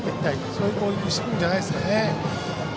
そういう攻撃をしてくるんじゃないでしょうか。